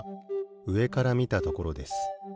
うえからみたところです。